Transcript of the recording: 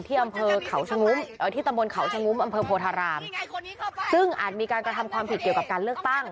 ที่อำเภอเขาชะงุ้มที่ตำบลเขาชะงุ้มอำเภอโพธารามซึ่งอาจมีการกระทำความผิดเกี่ยวกับการเลือกตั้ง